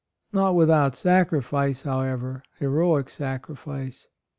Not without sac rifice, however, — heroic sacrifice.